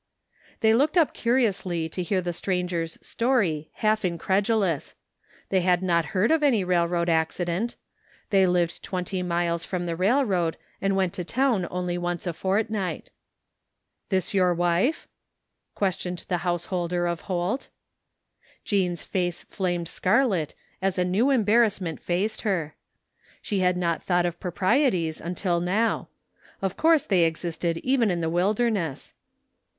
They looked up curiously to hear the stranger's story, half incredulous. They had not heard of any railroad accident. They lived twenty miles from the railroad and went to town only once a fortnight. " This your wife? " questioned the householder of Holt. 66 THE FINDING OF JASPER HOLT Jean's face flamed scarlet as a new embarrassment faced her. She had not thought of proprieties until now. Of course they existed even in the wilderness.